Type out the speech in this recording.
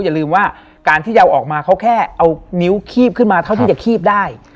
อย่าลืมว่าการที่จะเอาออกมาเขาแค่เอานิ้วคีบขึ้นมาเท่าที่จะคีบได้